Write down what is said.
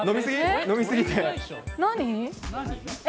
何？